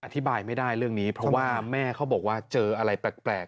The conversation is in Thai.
อธิบายไม่ได้เรื่องนี้เพราะว่าแม่เขาบอกว่าเจออะไรแปลก